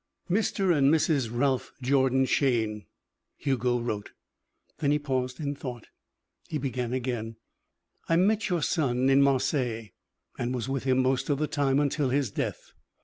XIV "Mr. and Mrs. Ralph Jordan Shayne," Hugo wrote. Then he paused in thought. He began again. "I met your son in Marseilles and was with him most of the time until his death."